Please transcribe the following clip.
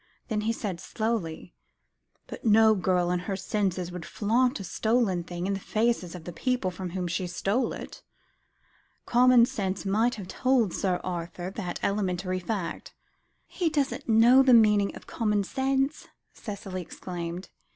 Then he said slowly "But no girl in her senses would flaunt a stolen thing in the faces of the people from whom she stole it. Common sense might have told Sir Arthur that elementary fact." "He doesn't know the meaning of common sense," Cicely exclaimed.